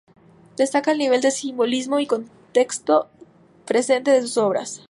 Destaca el nivel de simbolismo y contexto presentes en sus obras.